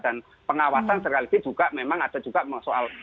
dan pengawasan juga memang ada juga soal